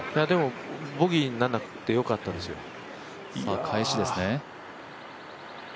でも、ボギーにならなくて良かったですよ。